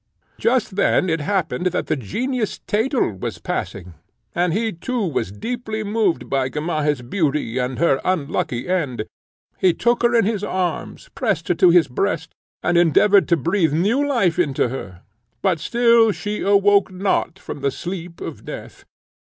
Just then it happened that the genius, Thetel, was passing, and he too was deeply moved by Gamaheh's beauty and her unlucky end. He took her in his arms, pressed her to his breast, and endeavoured to breathe new life into her; but still she awoke not from the sleep of death.